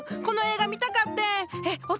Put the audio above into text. この映画見たかってん。